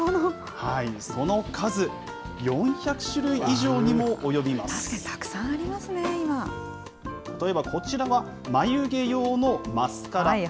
その数、４００種類以上にも確かにたくさんありますね、例えば、こちらは眉毛用のマスカラ。